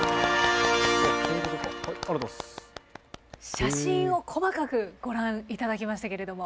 写真を細かくご覧いただきましたけれども。